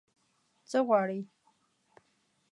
_څه غواړې؟